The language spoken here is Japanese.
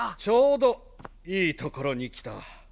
ちょうどいいところに来た。